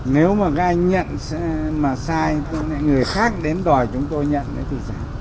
nếu mà các anh nhận mà sai người khác đến đòi chúng tôi nhận thì sao